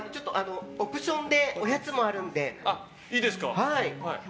オプションでおやつもあるので。